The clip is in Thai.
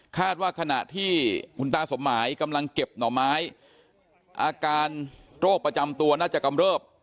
ว่าขณะที่คุณตาสมหมายกำลังเก็บหน่อไม้อาการโรคประจำตัวน่าจะกำเริบ